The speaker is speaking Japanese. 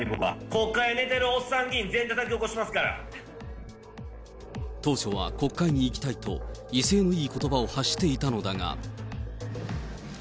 国会で寝てるおっさん議員、当初は国会に行きたいと、威勢のいいことばを発していたのだが。